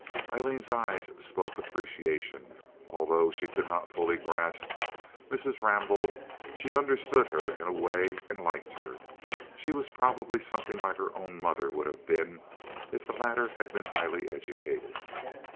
Aileen's eyes spoke appreciation. Although she could not fully grasp Mrs. Rambaud, she understood her, in a way, and liked her. She was probably something like her own mother would have been if the latter had been highly educated.